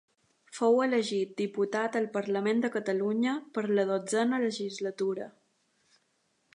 Fou elegit diputat al Parlament de Catalunya per la dotzena legislatura.